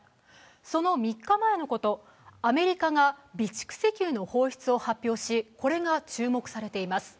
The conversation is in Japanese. その３日前のこと、アメリカが備蓄石油の放出を発表し、これが注目されています。